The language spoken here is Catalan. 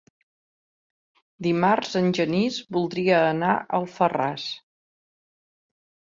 Dimarts en Genís voldria anar a Alfarràs.